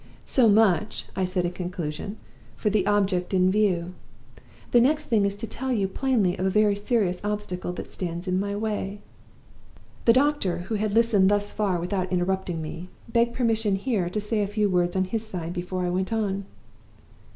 'So much,' I said, in conclusion, 'for the object in view. The next thing is to tell you plainly of a very serious obstacle that stands in my way.' "The doctor, who had listened thus far without interrupting me, begged permission here to say a few words on his side before I went on.